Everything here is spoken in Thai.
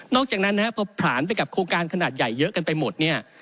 จากนั้นนะครับพอผลาญไปกับโครงการขนาดใหญ่เยอะกันไปหมดเนี่ย